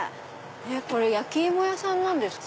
焼き芋屋さんなんですか？